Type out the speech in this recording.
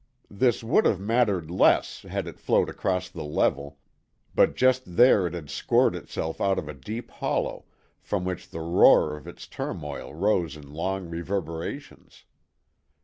This would have mattered less had it flowed across the level; but just there it had scored itself out a deep hollow, from which the roar of its turmoil rose in long reverberations.